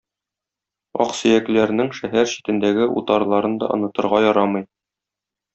Аксөякләрнең шәһәр читендәге утарларын да онытырга ярамый.